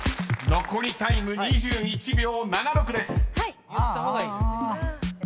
［残りタイム２１秒７６］